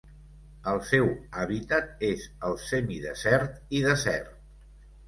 El seu hàbitat és el semidesert i desert.